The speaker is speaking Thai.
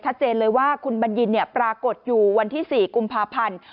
ชัดเจนเลยว่าคุณบัญญินปรากฏอยู่วันที่๔กุมภาพันธ์